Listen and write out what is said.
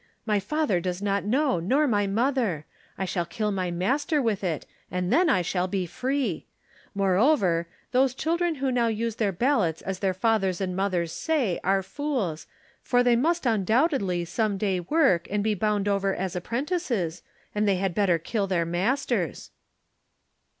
"My father does not know, nor my mother. I shall kill my mas ter with it, and then I shall be free. More over, those children who now use their ballots as their fathers and mothers say are fools, for they must undoubtedly some day work and be bound over as ap prentices, and they had better kill their masters."